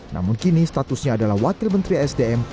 namun kini statusnya adalah wakil menteri sdm